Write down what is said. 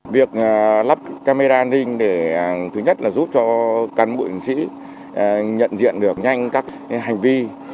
việc lắp camera an ninh để thứ nhất là giúp cho cán bộ chiến sĩ nhận diện được nhanh các hành vi